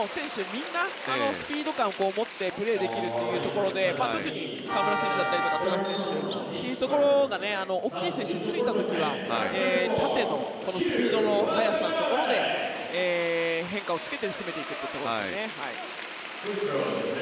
みんなスピード感を持ってプレーできるというところで特に河村選手や富樫選手が大きい選手がついた時は縦のスピードの速さで変化をつけて攻めていくというところですね。